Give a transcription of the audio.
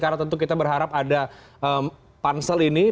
karena tentu kita berharap ada pansel ini